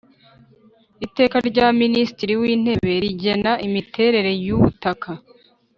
Iteka rya Minisitiri w Intebe rigena imiterere yubutaka